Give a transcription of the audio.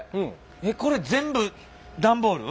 えっこれ全部段ボール？